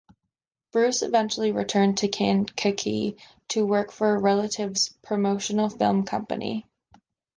Bruce eventually returned to Kankakee to work for a relative's promotional film company.